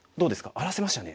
荒らせましたね。